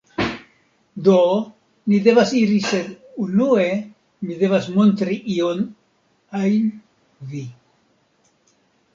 Do, ni devas iri sed unue mi devas montri ion ajn vi